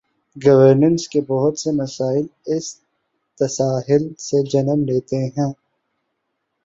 Governance کے بہت سے مسائل اس تساہل سے جنم لیتے ہیں۔